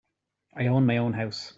I own my own house.